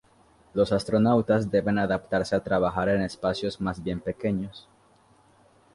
Los astronautas deben adaptarse a trabajar en espacios más bien pequeños.